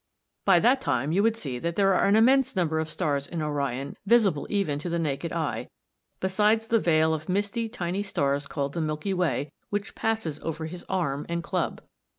] By that time you would see that there are an immense number of stars in Orion visible even to the naked eye, besides the veil of misty, tiny stars called the "Milky Way" which passes over his arm and club.